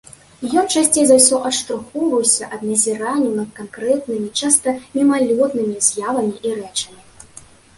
Ён часцей за ўсё адштурхоўваўся ад назіранняў над канкрэтнымі, часта мімалётнымі, з'явамі і рэчамі.